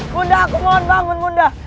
bunda aku mohon bangun bunda